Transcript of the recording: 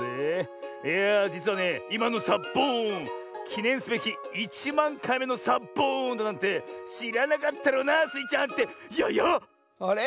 いやあじつはねいまのサッボーンきねんすべき１まんかいめのサッボーンだなんてしらなかったろうなスイちゃんってややっ⁉あれ？